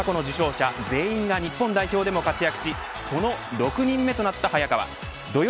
浦和で過去の受賞者全員が日本代表でも活躍しその６人目となった早川。